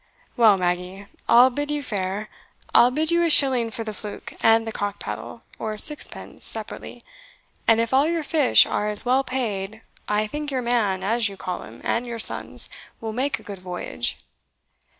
"Well, Maggie, I'll bid you fair I'll bid you a shilling for the fluke and the cock padle, or sixpence separately and if all your fish are as well paid, I think your man, as you call him, and your sons, will make a good voyage."